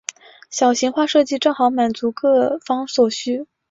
小型化设计正好满足各方所需。